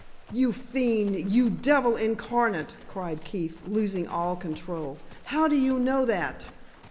"You fiend! You devil incarnate!" cried Keefe, losing all control. "How do you know that?"